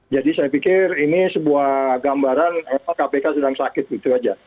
jadi saya pikir ini sebuah gambaran kpk sedang sakit gitu aja